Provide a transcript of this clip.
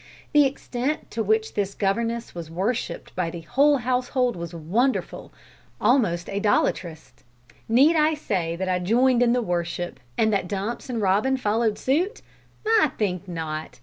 The extent to which this governess was worshipped by the whole household was wonderful almost idolatrous. Need I say that I joined in the worship, and that Dumps and Robin followed suit? I think not.